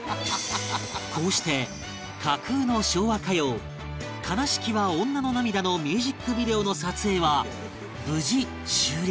こうして架空の昭和歌謡『哀しきは女の涙』のミュージックビデオの撮影は無事終了